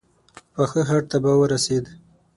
پاخه هډ ته به ورسېد.